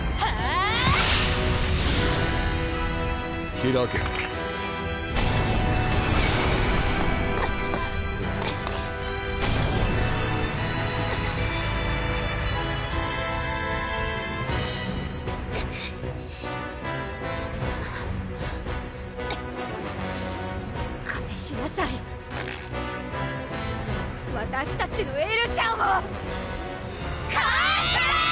開け返しなさいわたしたちのエルちゃんを返せーー！